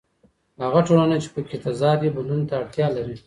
هغه ټولنه چې په کې تضاد وي بدلون ته اړتیا لري.